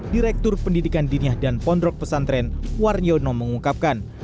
direktur pendidikan dinah dan pondok pesantren warniono mengungkapkan